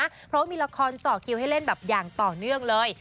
เพราะว่ามีละครเจาะคิวให้เล่นแบบอย่างต่อเนื่องเลย